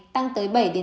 tăng tới bảy tám